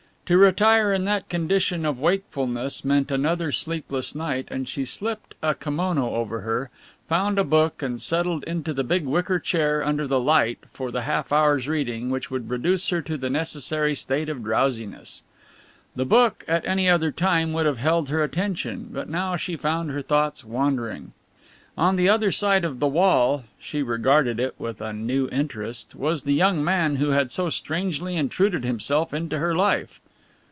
To retire in that condition of wakefulness meant another sleepless night, and she slipped a kimono over her, found a book and settled into the big wicker chair under the light for the half hour's reading which would reduce her to the necessary state of drowsiness. The book at any other time would have held her attention, but now she found her thoughts wandering. On the other side of the wall (she regarded it with a new interest) was the young man who had so strangely intruded himself into her life.